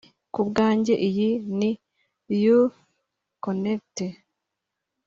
Ku bwanjye iyi ni Youthconnekt